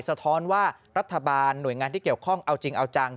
สะท้อนว่ารัฐบาลหน่วยงานที่เกี่ยวข้องเอาจริงเอาจัง